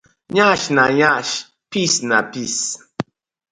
Yansh na yansh piss na piss.